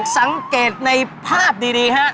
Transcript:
สังเกตในภาพดีฮะ